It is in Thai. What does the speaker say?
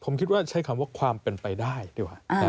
ผมคิดว่าใช้คำว่าความเป็นไปได้ดีกว่า